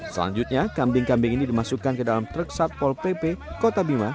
selanjutnya kambing kambing ini dimasukkan ke dalam truk satpol pp kota bima